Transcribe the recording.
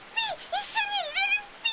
一緒に入れるっピ！